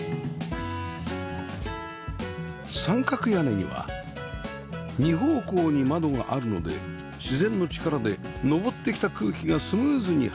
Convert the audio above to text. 三角屋根には２方向に窓があるので自然の力で上ってきた空気がスムーズに排出されます